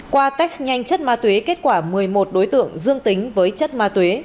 qua test nhanh chất ma túy kết quả một mươi một đối tượng dương tính với chất ma túy